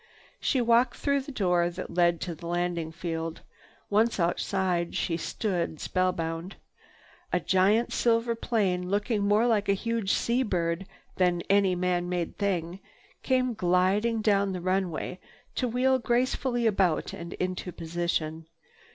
She walked through the door that led to the landing field. Once outside, she stood spellbound. A giant silver plane, looking more like a huge sea bird than any man made thing, came gliding down the runway to wheel gracefully about and into position.